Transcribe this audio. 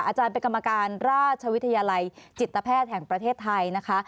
อาจารย์เป็นกรรมการราชวิทยาลัยจิตแพทย์แห่งประเทศไทยนะคะ